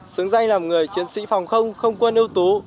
xứng danh làm người chiến sĩ phòng không không quân ưu tú